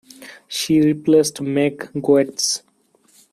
She replaced Meg Goetz.